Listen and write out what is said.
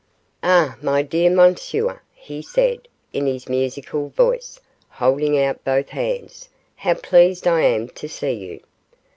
'Ah, my dear Monsieur,' he said, in his musical voice, holding out both hands, 'how pleased I am to see you.